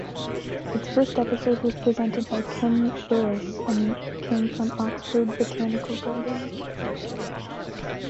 Its first episode was presented by Ken Burras and came from Oxford Botanical Gardens.